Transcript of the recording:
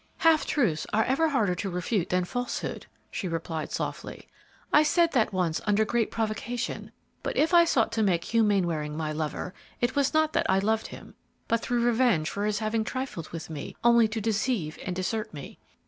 "Half truths are ever harder to refute than falsehood," she replied, softly. "I said that once under great provocation, but if I sought to make Hugh Mainwaring my lover, it was not that I loved him, but through revenge for his having trifled with me only to deceive and desert me.